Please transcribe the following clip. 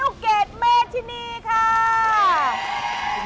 ลูกเกดเมฆที่นี่ค่ะ